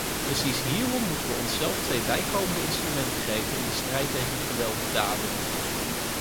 Precies hierom moeten we onszelf twee bijkomende instrumenten geven in de strijd tegen gewelddaden.